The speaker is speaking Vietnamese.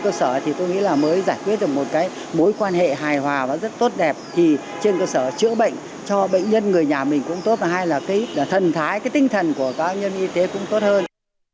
chữa bệnh cho bệnh nhân người nhà mình cũng tốt hay là thần thái tinh thần của các nhân viên y tế cũng tốt hơn